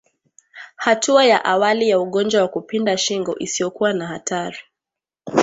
Hatua ya awali ya ugonjwa wa kupinda shingo isiyokuwa hatari